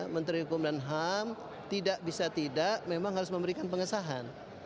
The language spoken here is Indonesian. menteri hukum dan ham tidak bisa tidak memang harus memberikan pengesahan